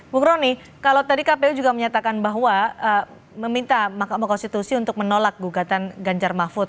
bung roni kalau tadi kpu juga menyatakan bahwa meminta mahkamah konstitusi untuk menolak gugatan ganjar mahfud